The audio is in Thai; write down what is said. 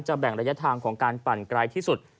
แบ่งระยะทางของการปั่นไกลที่สุด